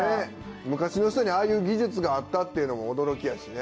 昔の人にああいう技術があったっていうのも驚きやしね。